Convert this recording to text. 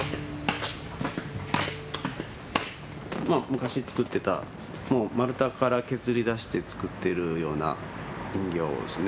昔作ってたもう丸太から削り出して作ってるような人形ですね。